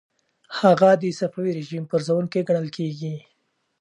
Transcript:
هغه د صفوي رژیم پرزوونکی ګڼل کیږي.